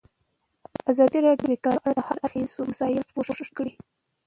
ازادي راډیو د بیکاري په اړه د هر اړخیزو مسایلو پوښښ کړی.